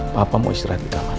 papamu istirahat di kamar